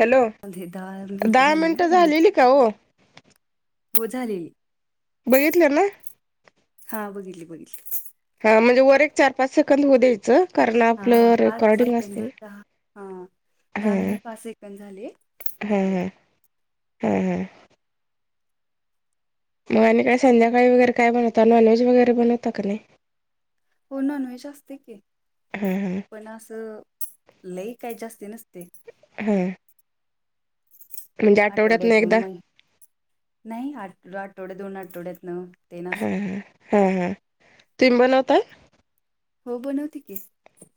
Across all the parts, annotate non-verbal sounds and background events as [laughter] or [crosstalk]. Hello अधे दहा minute दहा झाले ना मिनिटं म्हणून झालेली का हो हो झाले. बघितले ना हा बघितली बघितली. हा म्हणजे वर एक चार पाच सेकंद होऊ द्यायचं. कारण हा आपलं पाच रेकॉर्डिंग सेकड असते ना दहा हा हा दहा मिनिट पाच सेकंद झाले. मग हा कट ह ह ह. मग आणिक का स संध्याकाळी वगैरे काय बनवतं नॉनव्हेज वगैरे बनवत का नाही. हो नॉनव्हेज असते की. हा हा पण असं लई काय जास्ती नसते. हा. म्हणजे ना आठवड्यात एकदा मग नाही आठ आठवड्या दोन आठवड्यात ना. हा हा हा तुम् बनवताय. हो बनवते कीस.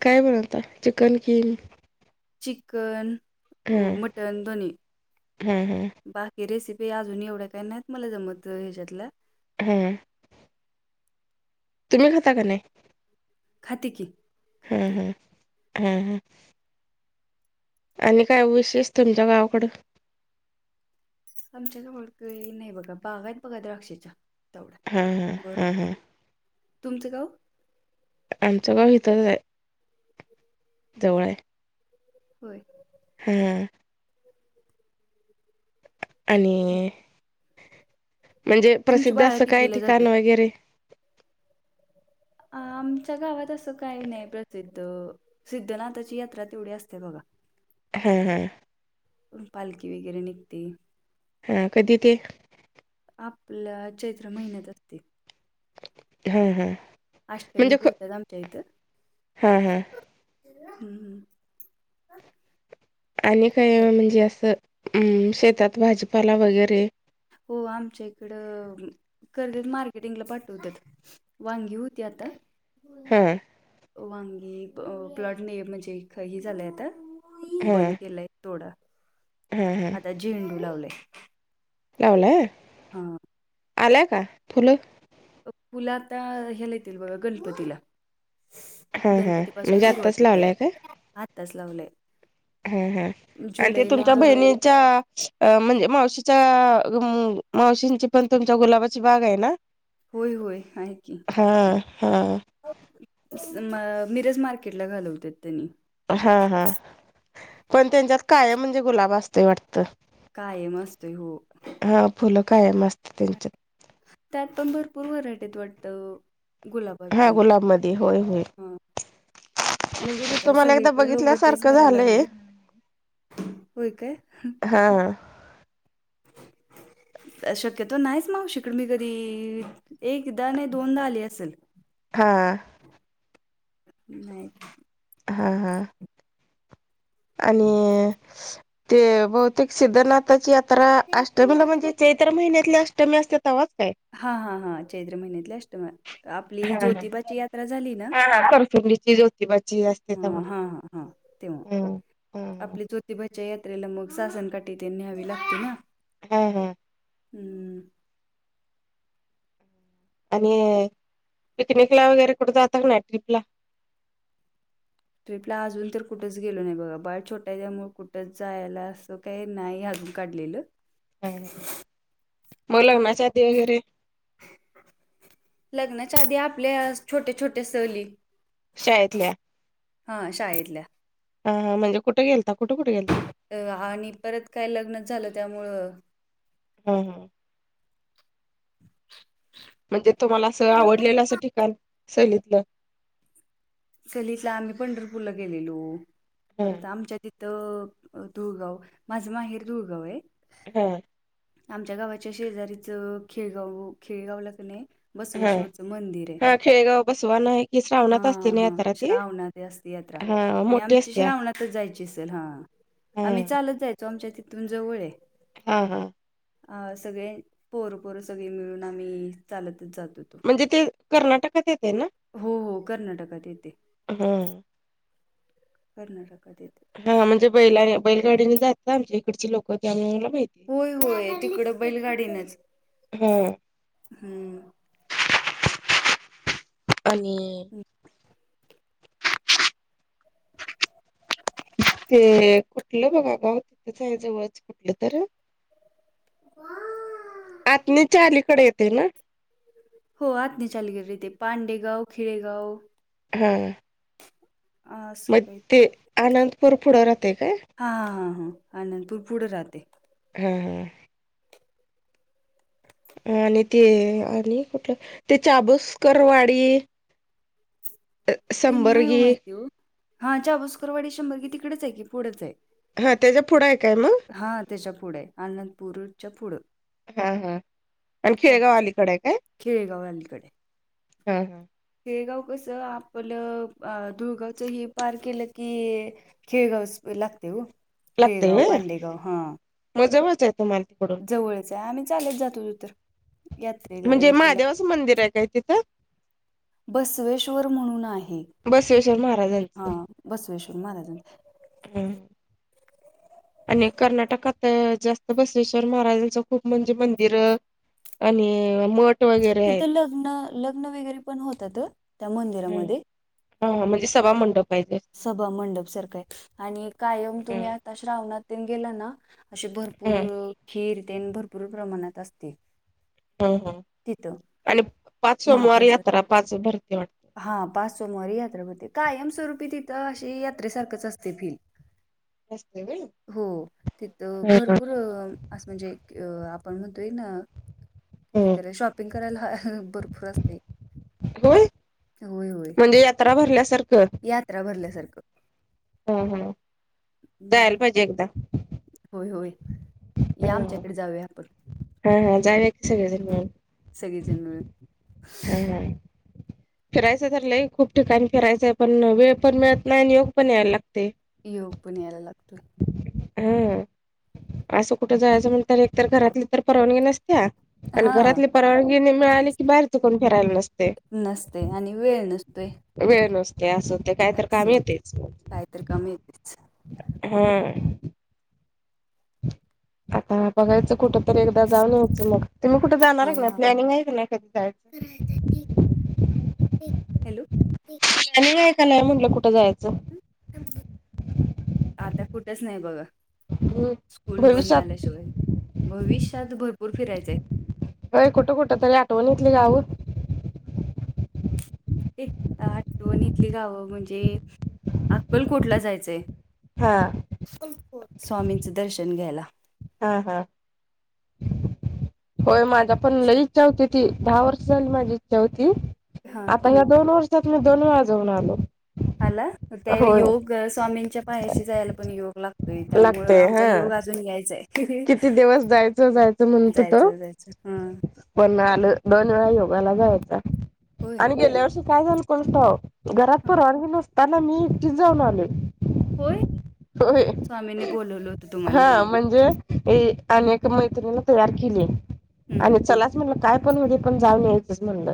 काय बनवता चिकन किम. चिकन हा मटण दोन् हा हा बाकी. ही रेसिपी अजून एवढ्या काय नाहीत मला जमत ह्याच्यातल्या. हा. तुमही खाता काने. खात की. हम् खाते हम् हम् हम. आणि काय उशस तुमच्या गावाकडं. आमच्याच ळख नाही बघा बागाात बघा द्राक्षेच्या. तेवढ, हा हा हा बरोबर, हा तुमचं गाव? आमच गाव इथं हाय. जवळ आहे. होय. हा. मग आणि, म्हणजे तुमची प्रसिद्ध बाळ असं काय कितवीला जातात? ठिकाण वगैरे. अ आमच्या गावात अस काय नई प्रसिद्ध. सिद्धनाथाची यात्रा तेवढी असतया बघा. हा हा. पण पालखी वगैरे निघते. हा कधी ते? आपल चैत्र महिन्यात असते. हा हा. अष्ट मी म्हणजे क बोलतात आमच्या इथं हा हा. हम्म. आणि त्याला- काय म्हणजे असं, अम शेतात भाजीपाला वगैरे. हो आमच्या इकडं, करवीर मार्केटिंगला पाठवत्यात. वांगी होती आता. हा. वांगी प्लॉटने म्हणजे हे झालंय आता. हा बंद केलाय तोडा. हा हा. झेंडू लावलय. लावलाय. हा. आलाय का, फुलं? पुल आता ह्याला येतील बघा गणपतीला. हा हा गणपती पासून म्हणजे सुरुवात आत्ताच होत्या, लावलाय का आातच लावलय. हा हा, आणि ते तुमच्या बहिणी च्या अ म्हणजे मावशीच्या मावशीची पण तुमच्या गुलाबाची बाग आहे ना. होय होय हाय की. हा हा म मिरज मार्केटला घालवत्यात त्यांनी. हा हा, पण त्यांच्यात कायम म्हणजे गुलाब असतोय वाटतं. कायम असतोय हो. हा फुलं कायम असत्यात त्यांच्यात. त्यात पण भरपूर वरायटी हाईत वाटतं. गुलाबात हा पण, गुलाबमध्ये होय होय हा. म्हणजे मी आता तुम्हाला एकदा सगळीकड लोक तेच बघितल्यासारखं कराय झालंय लागले. होय काय. हा हा. शक्यतो नाहीच मऊशी कड मी घरी. एकदा नाही दोनदा आली असल. हा. नाही. हा हा. आणि, ते बहुतेक सिद्धनाथाची या त्रा अष्टमीला म्हणजे चैत्र महिन्यातली अष्टमी असत्या तव्हाच काय? हा हा हां चैत्र महिन्यातली अष्टमी, आपली ज्योतिबाची यात्रा झाली ना. [unintelligible] रफ्युमडीची जोतीबाची. हा हा हा, तेव्हा. हम्म हम्म आपली ज्योतीभच्या यात्रेला मग सासणकाठी ते न्यावी लागते ना. हा हम. हम्म आणि पिकनिकला वगैरे कुठे जात का नाही ट्रीिप ला. तु आपला अजून तर कुठंच गेलो नाही बघ बाळ छोटा आहे त्यामु कुठंच जायला असं. काही नाही अजून काढलेलं. ह मग लग्ना आधी वगैरे. लग्नाच्या आधी आपल्या छोटे छोटे सहली. शाळेतल्या- हा शाळेतहिल्या. हां म्हणजे कुेलता कुठेुेलता. अ आणि परत काय लग्न झालं त्यामुळं. हम हम. म्हणजे तुम्हाला असं आवडलेलं असं ठिकाण शैलीतलं सहलीला आम्ही पंढरपूरला गेलेलो हा. परत आमच्या ति तर तुळगाव माझं माहेर तुळगाव आहे. हां आमच्या गावाच्या शेजारीच खेळगाव खेळगावला कणी. हा बसवेश्वरच मंदिर आहे हा खेळेगाव बसवान आहे की श्रावणात असते हा. ना हा यात्रा ती? श्रावणाात असते यात्रा हा आणि मोठी आमची असत्या श्रावणातच जायची असेल हा. हा आम्ही चालत जायचो आमच्या तिथून जवळ आहे. हा हा. अ सगळे पोर पोर सगळे मिळून आम्ही चालतच जातो. म्हणजे ते कर्नाटकात येते ना. हो हो कर्नाटकात येते हा कर्नाटकात येते. हा म्हणजे बैला बैलगाडीने जात आमच्या इकडचे लोक ते आम मला माहिित. होय होय तिकडं बैलगाडीनच हा हम्म. आणि. [inaudible] [unintelligible] ते कुठलं बघा ग तिथंच आहे जवळच कुठलं तर. आतनीच्या अलीकडे येते ना. हो आत नाही चालू गेले तेे पांडेगाव खिडेगाव. हा. असं मग काही ते आनंदपूर पुढे राहते काय. हा हा हा आन तू पुढे राहते. हा हा. आणि ते आणि कुठलं ते चाबूसकरवाडी. [unintelligible] ती नाही हो माहिती हो हा चा भुसकरवाडी शंभर कि तिकडेच आहे की पुढेच आहे. हा त्याच्या पुढं आहे काय मग. हा त्याच्या पुढे अनंदपूरच्या पुढं. हा हा आणि खेळगाव अलीकडे आहे काय. खेडेगाव अलीकडे. हा हा. खेळगाव कस आपलं अ ुळगावच हे पार केलं की. खेळगवस लागते हो. लागते खेळगाव, हे पांडेगाव हां, मजवच य तो मालतीप. जवळच आहे आम्ही चालेत जातो तु तर यात्रेला म्हणजे ह्याला महादेवाचं मंदिर आहे काय तिथं? बसवेश्वर म्हणून आहे बसवेश्वर हा महाराजांचं बसवेश्वर महाराजां हं [unintelligible] आणि कर्नाटकात जास्त बसवेश्वर महाराजांचं खूप म्हणजे मंदिर आणि मठ वगैरे तिथे लग्न लग्न वगैरे पण होतात त्या आहेत मंदिरामध्ये हा म्हणजे सभा मंडप पाहिजे. सभा मंडप सारखा आहे आणि कायम ह तुम्ही आता श्रावणात गेला ना. अे भरपूर ह खीर ते भरपूर प्रमाणात असते. ह ह तिथं आणि पाच सोमवार महाप्रसाद यात्रा पाच भरती वाटत. हा पाच सो मारी यात्रपती काय एम स रुपय. ी तिथं अे यात्रेसारखंच असते फिील असते व्हय हो तिथ हम्म भरपूर. असं म्हणजे आपण म्हणतोय ना हे हम्म क शॉप शपिंग करायला भरपूर असते. होय होय होय म्हणजे यात्रा भरल्यासारखं यात्रा भरल्यासारखं हम ह जायल हम्म, पाहिजे एकदा होय होय या आमच्याकडे जाऊया आपण हा हा जाय की सगळे सगळे जण मिळून हम् हम फिरायचं तर ल खूप ठिकाणी फिरायचं आहे पण वेळ पण मिळत नाही आणि योग पण यायला लागते. इ पुण्या्याला लागतो. हा असं कुठं जायचं म्हणत एकतर घरातली तर परवानगी नसत्या आणि हा घरातली परवानगी न मिळाली की बाहेर त कोण फिरायला नस नसते आणि वेळ नसतेो. वेळ नसते असं होते काय तर काम येतेच. काहीतरी काम येतेच हा आता बघायचं कुठं. तर एकदा जाऊन यायचं मग तुम्ही कुठे हा जाणार का नाही प्लॅनिंग आहे का नाही कधी जायचं. हॅलो प्लॅनिंग आहे का नाही म्हटलं कुठं जायचं. आता कुठच नाही बघा. हम् स्कूल बंद भविष्यात झाल्याशिवाय भविष्यात भरपूर फिरायचंय. अय कुठं कुठं तरी आठवणेतली गाऊत. एक आठवणीतली गावं म्हणजे अक्कलकोटला जायचंय. हा स्वामींचं दर्शन घ्यायला. हा हा होय माझा पण ल इच्छा होती ती दहा वर्ष झाली माझी इच्छा होती. हा आता या्या दोन वर्षात मी दोन वेळाजवन आलो. हला ते होय योग स्वामींच्या पायाशी जायला पण योग ला. त त्यामुळं लागते आमचा हा योग अजून यायचाय. किती दिवस जायचं जायचं म्हणत त. जायचं जायचं हा पळालं दोन वेळा योगायला जायचा होय आणि गेल्या वर्षी काय झालं. क घरात परवानगी नसताना मी एकटीच जाऊन आले. होय स्वामीने बोलवलं होतं तुम्हाला हा म्हणजे अनेक मैत्रिन तयार केली हं, आणि चला. मला काय पण होउदे पण जाऊन यायच म्हण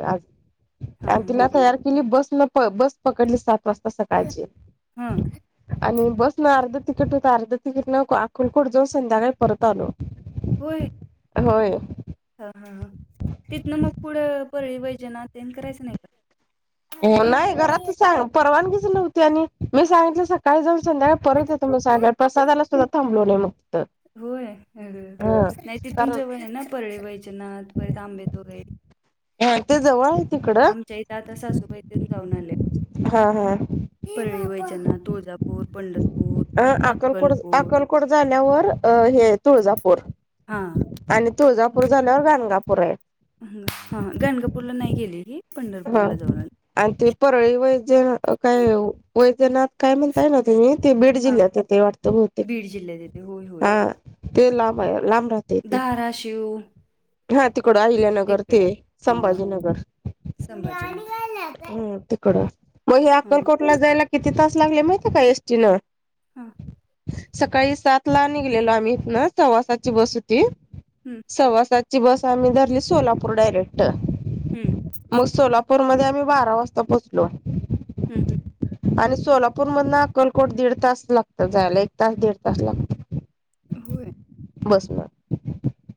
हां, तुला तयार केली बस. होय बस पकडली सात वाजता सकाळची हां. आणि बस न अर्ध तिकीट होत अर्ध तिकीट न अक्कलकोट जाऊन संध्याकाळी परत आलो होय. होय. तर हा तिथनं मग पुढं परळी वैजना त्यानं करायचं नाही का हो नाही घरात [unintelligible] सांग परवानगीच नव्हती आणि मी सांगितलं स काल जाऊन संध्याकळी परत येतो मी सांगलं प्रसादाला सुद्धा थांबलो नाही मग तर होय हा हा नाही तिथून जवळ आहे ना परळी वैजनाथ परेत आंबे [unintelligible] हा ते जवळ आहे तिकडं आमच्या इथ आता सासूबाईतून जाऊन आल्या हा हा परळी वैजनाथ, तुळजापूर, पंढर अ अकलकोट अक्कलकोट झाल्यावर अ ही आहे तुळजापूर हां. आणि तुळजापूर झाल्यावर गाणगापूर आहे. हम्म हा गाणगापूरला नाही गेलेली? हा आणि ते परळी वैजे काय वैजनाथ काय म्हणताय ना तुम्ही ते बीड हां, जिल्ह्यात आहे ते वाटतं बहुतेक बीड जिल्ह्यात येते. होय, होय. हा ते लांब आहे लांब राह धाराशिव हा तिकड अहिल्यानगर तिकडं ते आहे. हां. संभाजीनगर संभाजीनगर हम्म मग ही हां अक्कलकोटला जायला किती तास लागले माहित आहे का एस टी न? हां सकाळी सात ला निघलेलो आम्ही इथं न सव्वासाची बस होती हम्म सव्वा सातची बस आम्ही धरली सोलापूर डायरेक्ट. हम्म मग सोला पूरमध्ये आम्ही बारा वाजता पोहोचलो हम्म हम्म. आणि सोलापूर मधन अक्कलकोट दीड तास लागत जायला एक तास दीड तास लागतो होय. बस न.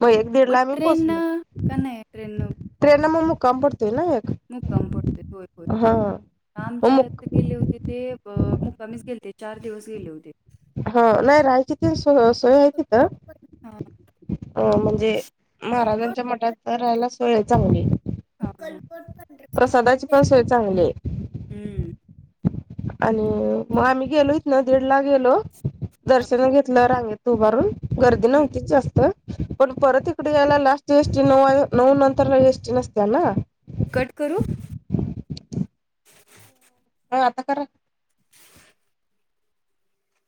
म हां एक दीड मग ला आम्ही ट्रेन पोहोचलो काय ट्रेन ट्रेन न मग मुक्काम पडतोय ना मुक्काम पडतोय होय होय हा मग आमच्या मुक इथे गेले होते ते अह मुक्कामीच गेलते चार दिवस गेले होते हा नाही राहायची ती स सोय आहे तिथं हां अह म्हणजे हां महाराजांच्या मठात राहायला सोेय आहे चांगली हां प्रसादाची पण सोय चांगली आहे हम्म. आणि मग आम्ही गेलो इथनं दीड ला गेलो हां दर्शन घेतलं रांगेत उभारून गर्दी हम्म नव्हतीच जास्त पण परत इकडे यायला लास्ट एसटी नऊ नऊ नंतरला एसटी नसत्या ना कट करू. हो आता करा.